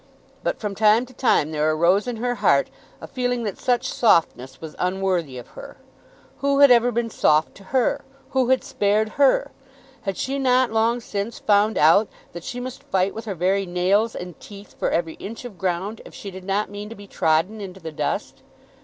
But from time to time there arose in her heart a feeling that such softness was unworthy of her. Who had ever been soft to her? Who had spared her? Had she not long since found out that she must fight with her very nails and teeth for every inch of ground, if she did not mean to be trodden into the dust?